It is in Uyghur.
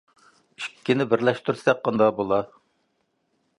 ئىككىنى بىرلەشتۈرسەك قانداق بولار؟